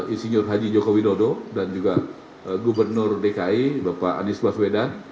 insinyur haji joko widodo dan juga gubernur dki bapak anies baswedan